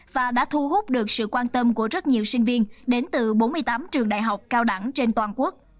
và đã thu hút được sự quan tâm của rất nhiều sinh viên đến từ bốn mươi tám trường đại học cao đẳng trên toàn quốc